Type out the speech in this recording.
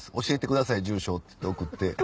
教えてください住所」って。